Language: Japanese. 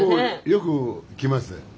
よく来ます。